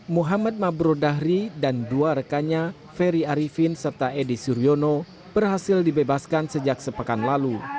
muhammad mabrul dahri dan dua rekannya ferry arifin serta edi suryono berhasil dibebaskan sejak sepekan lalu